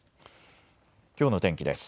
きょうの天気です。